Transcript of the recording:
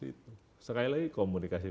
itu sekali lagi komunikasi